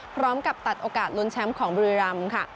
พร้อมกับตัดโอกาสล้นแชมป์ของบริยาม